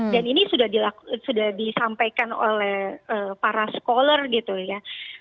dan ini sudah disampaikan oleh para scholar gitu ya